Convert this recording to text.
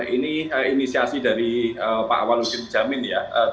ini inisiasi dari pak waludin jamil ya